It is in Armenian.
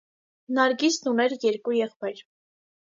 Նարգիսն ուներ երկու եղբայր։